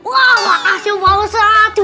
wah makasih pak ustaz